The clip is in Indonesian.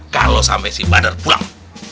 kalau sampai si bandar pulang